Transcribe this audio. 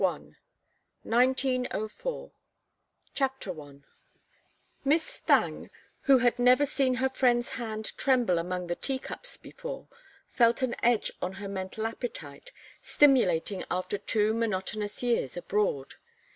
TO Emma Beatrice Brunner PART I 1904 I Miss Thangue, who had never seen her friend's hand tremble among the teacups before, felt an edge on her mental appetite, stimulating after two monotonous years abroad.